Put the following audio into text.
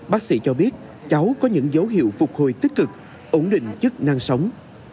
bác sĩ cho biết cháu có những dấu hiệu phục hồi tích cực ổn định chức năng sống